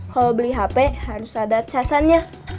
kalau beli hp harus ada casannya